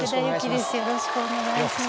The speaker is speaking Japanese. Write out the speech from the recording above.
よろしくお願いします。